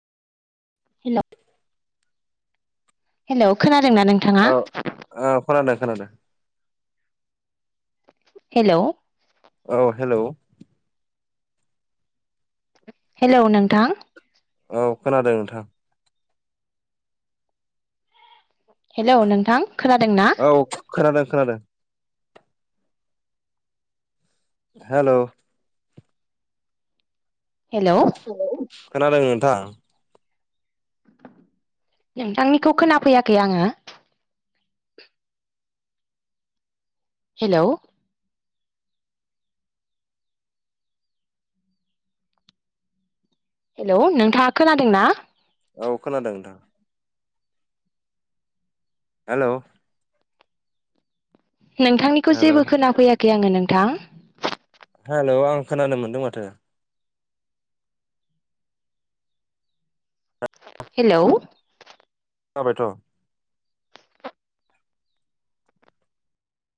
hello hello खोनादोंना नों औ औ खोनादों खानादों हेलौ औ हेलौ हेलौ नोंथां औ खोनादों नोंथां हेलौ नोंथां खोनादों ना औ खोनादों खोनादों हेलौ हेलौ खोनादों नोंथां नोंथांनिखौ खोनाफैयाखै आङो हेलौ हेलौ नोंथाङा खोनादों ना औ खोनादों नोंथां हेलौ नोंथांनिखौ हेलौ जेबो खोनाफैयाखै आङो नोंथां हेलौ आं खोनानो मोनदों माथो हेलौ जाबायथ